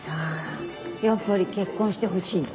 やっぱり結婚してほしいんだ。